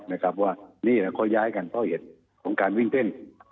ว่านี่เราก็ย้ายกันเพราะเหตุของการวิ่งเต้น